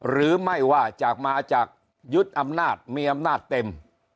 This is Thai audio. หรือไม่ว่าจากมาจากยึดอำนาจมีอำนาจเต็ม